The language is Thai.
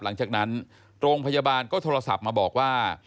หลังจากนั้นโรงพยาบาลก็โทรศัพท์มาบอกว่า